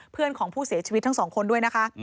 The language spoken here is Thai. เพื่อนของผู้เสียชีวิตทั้งสองคนด้วยนะคะ